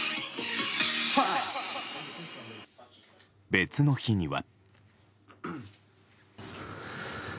別の日には。